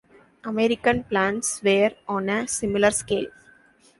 American plans were on a similar scale.